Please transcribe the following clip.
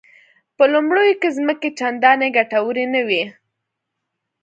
په لومړیو کې ځمکې چندانې ګټورې نه وې.